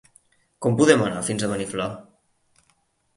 Com podem anar fins a Beniflà?